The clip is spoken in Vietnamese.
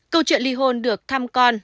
câu chuyện ly hôn được thăm con